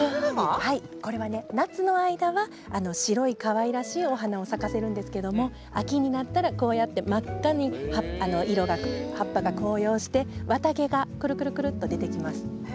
これは、夏の間は白いかわいらしいお花を咲かせるんですけれども秋になったらこうやって、真っ赤に葉っぱが紅葉して綿毛がくるくると出てきます。